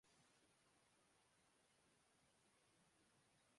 اس میں کیمرہ کی کچھ اچھی پوزیشن اور ترمیم کا استعمال کیا گیا ہے